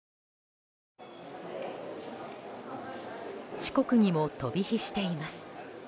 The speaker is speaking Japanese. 四国にも飛び火しています。